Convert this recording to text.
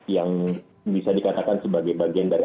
yang bisa dikatakan sebagai bagian dari